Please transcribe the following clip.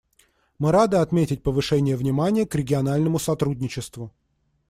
Мы рады отметить повышение внимания к региональному сотрудничеству.